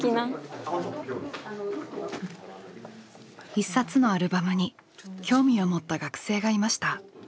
一冊のアルバムに興味を持った学生がいました。